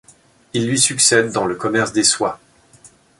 Il lui succède dans le commerce des soies.